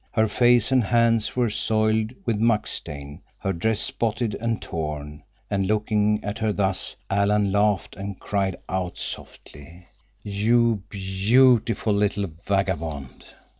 Her face and hands were soiled with muck stain, her dress spotted and torn, and looking at her thus Alan laughed and cried out softly: "You beautiful little vagabond!"